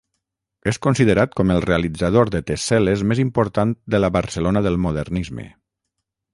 És considerat com el realitzador de tessel·les més important de la Barcelona del modernisme.